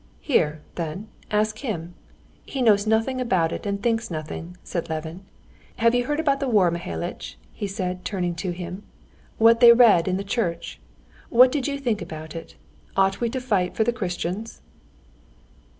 "Here, then, ask him. He knows nothing about it and thinks nothing," said Levin. "Have you heard about the war, Mihalitch?" he said, turning to him. "What they read in the church? What do you think about it? Ought we to fight for the Christians?"